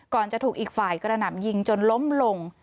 จะถูกอีกฝ่ายกระหน่ำยิงจนล้มลง